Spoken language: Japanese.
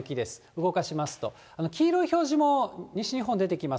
動かしますと、黄色い表示も西日本、出てきます。